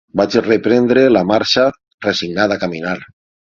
Vaig reprendre la marxa, resignat a caminar